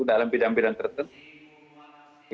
dalam bidang bidang tertentu